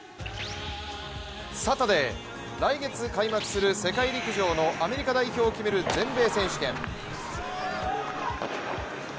サタデー、来月、開幕する世界陸上のアメリカ代表を決める全米選手権。